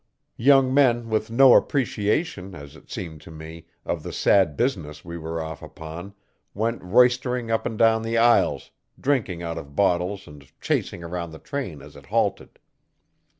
Young men with no appreciation, as it seemed to me, of the sad business we were off upon, went roistering up and down the aisles, drinking out of bottles and chasing around the train as it halted.